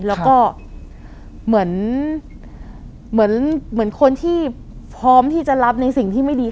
แล้วก็เหมือนคนที่พร้อมที่จะรับในสิ่งที่ไม่ดี